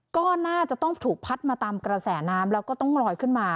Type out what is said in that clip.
ก็น่าจะต้องถูกพัดมาตามกระแสน้ำแล้วก็ต้องลอยขึ้นมา